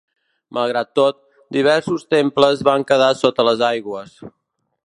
Malgrat tot, diversos temples van quedar sota les aigües.